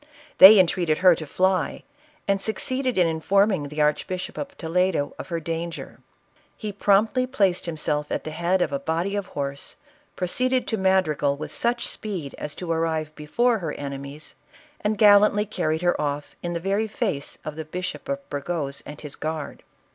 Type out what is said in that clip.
They en treated her to fly, and succeeded in informing the Archbishop of Toledo of her danger. He promptly placed himself at the head of a body of horse, pro ceeded to Madrigal with such speed as to arrive before her enemies, and gallantly carried her off. in the Very face of the Bishop of Burgos and his guard.